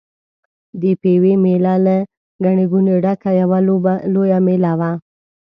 د پېوې مېله له ګڼې ګوڼې ډکه یوه لویه مېله وه.